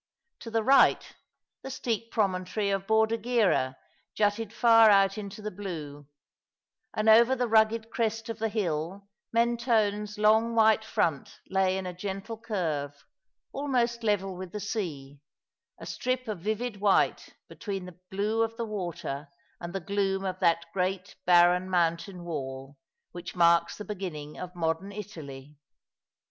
To the right, the steep promontory of Bordighera jutted far out into the blue ; and over the rugged crest of the hill Mentone's long white front lay in a gentle curve, almost level with the sea — a strip of vivid white between the blue of the water and the gloom of that great barren mountain wall which marks the beginning of modern Italy.